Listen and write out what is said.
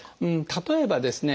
例えばですね